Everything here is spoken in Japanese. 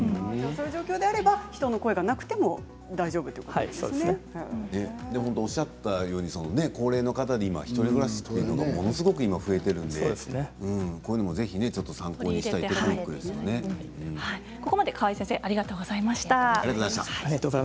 そういう状況であれば人の声がなくても大丈夫おっしゃったように高齢の方で今１人暮らしをしている方はものすごく今増えているのでこういうのもぜひ参考にここまで川合先生ありがとうございました。